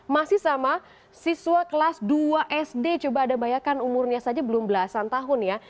masih sama siswa kelas dua sd coba ada bayangkan umurnya saja belum belasan tahun ya